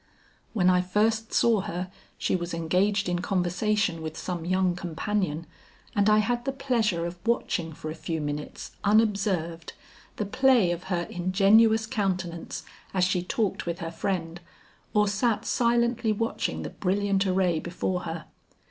When I first saw her she was engaged in conversation with some young companion, and I had the pleasure of watching for a few minutes, unobserved, the play of her ingenuous countenance, as she talked with her friend, or sat silently watching the brilliant array before her.